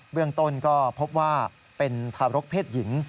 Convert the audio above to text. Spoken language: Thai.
เรื่องต้นก็พบว่าเป็นทารกเพศหญิง